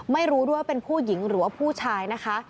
ไม่รู้ด้วยว่าเป็นผู้หญิงหรือว่าผู้ชายนะคะ